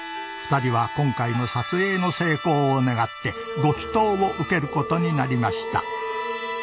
２人は今回の撮影の成功を願ってご祈祷を受ける事になりました。